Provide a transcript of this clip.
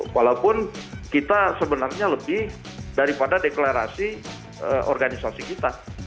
walaupun kita sebenarnya lebih daripada deklarasi organisasi kita